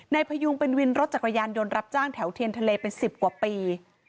พยุงเป็นวินรถจักรยานยนต์รับจ้างแถวเทียนทะเลเป็น๑๐กว่าปี